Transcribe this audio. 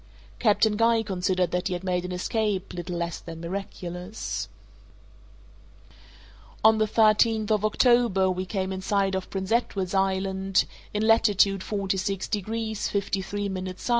Captain Guy considered that he had made an escape little less than miraculous. On the thirteenth of October we came in sight of Prince Edward's Island, in latitude 46 degrees 53' S.